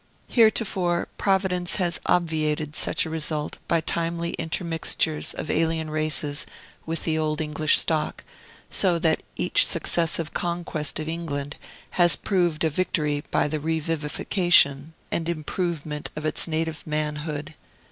Heretofore Providence has obviated such a result by timely intermixtures of alien races with the old English stock; so that each successive conquest of England has proved a victory by the revivification and improvement of its native manhood.